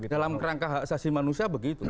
dalam rangka hak asasi manusia begitu